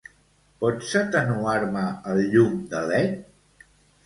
Pots atenuar-me el llum de led?